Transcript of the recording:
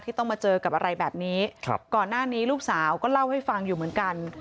ต้องมาเจอกับอะไรแบบนี้ก่อนหน้านี้ลูกสาวก็เล่าให้ฟังอยู่เหมือนกัน